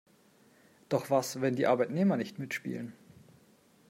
Doch was, wenn die Arbeitnehmer nicht mitspielen?